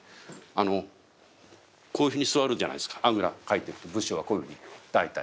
あのこういうふうに座るじゃないですかあぐらかいて武士はこういうふうに大体。